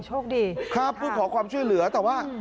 โชคดีครับเพื่อขอความช่วยเหลือแต่ว่า